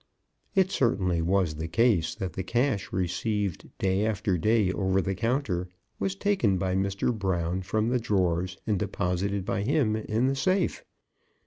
It certainly was the case that the cash received day by day over the counter was taken by Mr. Brown from the drawers and deposited by him in the safe.